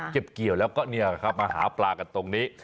เก็บเกี่ยวแล้วก็มาหาปลากันตรงนี้